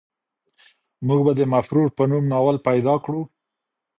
موږ به د مفرور په نوم ناول پیدا کړو.